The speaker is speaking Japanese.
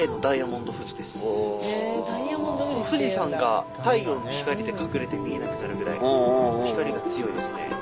富士山が太陽の光で隠れて見えなくなるぐらい光が強いですね。